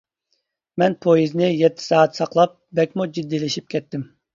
مەن پويىزنى يەتتە سائەت ساقلاپ بەكمۇ جىددىيلىشىپ كەتتىم.